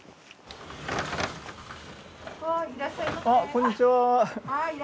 こんにちは。